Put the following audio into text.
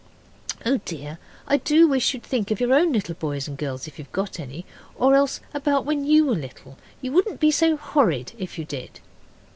Oh, dear, I do wish you'd think of your own little boys and girls if you've got any, or else about when you were little. You wouldn't be so horrid if you did.